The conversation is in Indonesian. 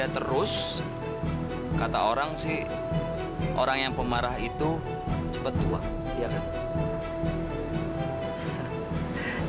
terus kata orang sih orang yang pemarah itu cepat tua iya kan